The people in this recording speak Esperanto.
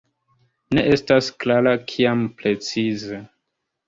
Ne estas klara kiam precize.